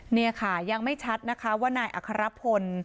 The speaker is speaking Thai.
นี่ค่ะยังไม่ชัดนะคะว่านายอัครพล